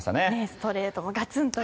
ストレートもガツンと。